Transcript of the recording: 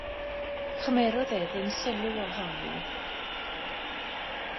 Chymerodd e ddim sylw ohoni.